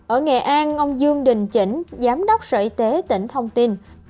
ở nghệ an ông dương đình chỉnh giám đốc sở y tế tỉnh thông tin